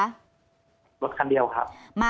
รถคันเดียวครับ